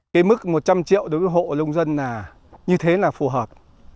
cái mức một trăm linh triệu đối với hộ lông dân là như thế là phù hợp